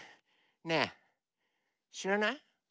ねえしらない？